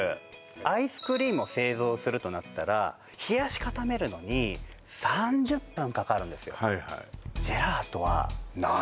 アイスクリームを製造するとなったら冷やし固めるのに３０分かかるんですよ